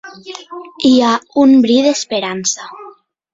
Hi ha un bri d’esperança.